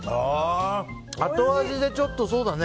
後味でちょっとそうだね。